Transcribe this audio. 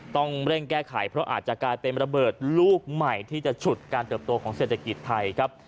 ต้องเร่งแก้ไขเพราะอาจจะกลายเป็นระเบิดลูกใหม่ที่จะฉุดการเติบโตของเศรษฐกิจไทยครับ